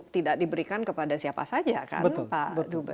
tidak diberikan kepada siapa saja kan pak dubes